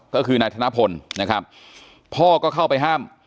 ก็คือนายธนพลนะครับพ่อก็เข้าไปห้าม